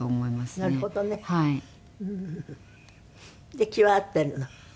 で気は合っているの？